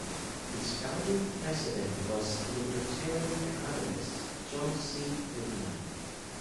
Its founding president was libertarian economist John C. Goodman.